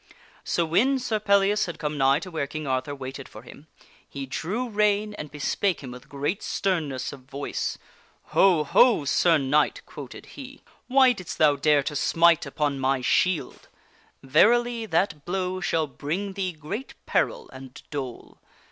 So when Sir Pellias had come nigh to where King Arthur waited for him, he drew rein and bespake him with great sternness of voice :" Ho t Ho ! Sir Knight," quoted he. " Why didst thou dare to smite upon my shield ! Verily, that blow shall bring thee great peril and dole.